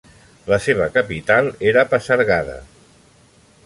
La seva capital era Pasargada.